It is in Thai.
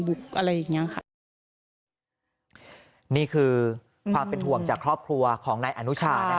บุกอะไรอย่างนี้คือความเป็นห่วงจากครอบครัวของนายอนุชา